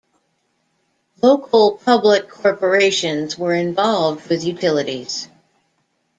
Local public corporations were involved with utilities.